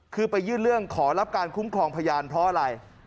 คือไปยื่นเรื่องขอรับการคุ้มครองพยานเพราะอะไร